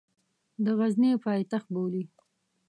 د غزني پایتخت بولي.